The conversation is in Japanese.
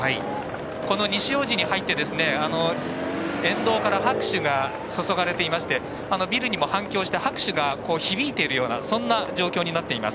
西大路に入って沿道から拍手がそそがれていましてビルにも反響して拍手が響いているようなそんな状況になっています。